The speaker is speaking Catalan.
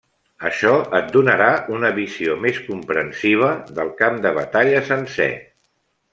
Això et donarà una visió més comprensiva del camp de batalla sencer.